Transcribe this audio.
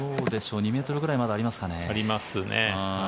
２ｍぐらいまだありますかね。ありますね。